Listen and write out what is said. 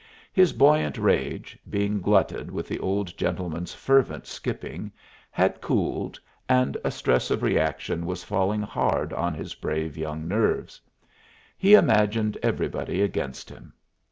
His buoyant rage, being glutted with the old gentleman's fervent skipping, had cooled, and a stress of reaction was falling hard on his brave young nerves. He imagined everybody against him.